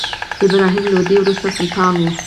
ابراهیم لودي وروستی سلطان و.